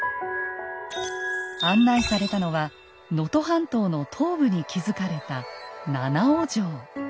案内されたのは能登半島の東部に築かれた七尾城。